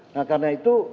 nah karena itu